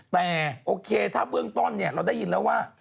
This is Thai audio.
แต่โอเคถ้าเบื้องต้นเราได้ยินแล้วว่า